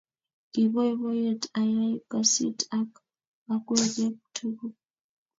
Kiboiboiyet ayai kasit ak okweket tuk